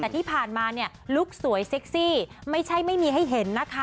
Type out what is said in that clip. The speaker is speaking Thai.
แต่ที่ผ่านมาเนี่ยลุคสวยเซ็กซี่ไม่ใช่ไม่มีให้เห็นนะคะ